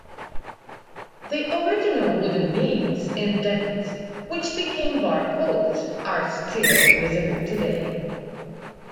The original wooden beams and davitts, which became bar posts, are still visible today.